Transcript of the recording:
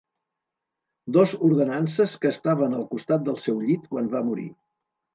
Dos ordenances que estaven al costat del seu llit quan va morir.